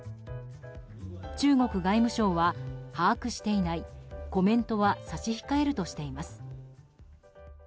中国外務省は、把握していないコメントは差し控えるとしています。